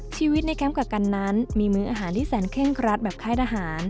ชีวิตในแคมป์กักกันนั้นมีมื้ออาหารที่แสนเคร่งครัดแบบค่ายทหาร